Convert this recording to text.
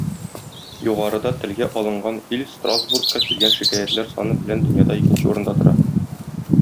Югарыда телгә алынган ил Страсбургка килгән шикаятьләр саны белән дөньяда икенче урында тора.